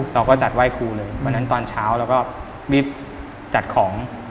เราก็จัดไหว้ครูเลยวันนั้นตอนเช้าเราก็รีบจัดของ